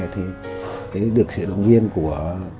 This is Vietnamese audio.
thì được sự động viên của